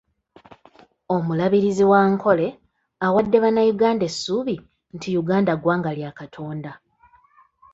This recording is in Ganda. Omulabirizi wa Ankole awadde Bannayuganda essuubi nti Uganda ggwanga lya Katonda.